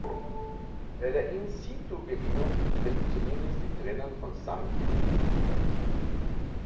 Bei der In-Situ-Gewinnung entfällt zumindest die Trennung von Sand und Bitumen.